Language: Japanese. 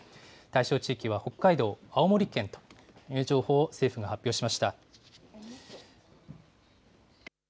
対象地域は北海道、青森県という情報を政府が発表しました。